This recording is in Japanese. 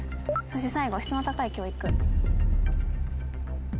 そして最後「質の高い教育」。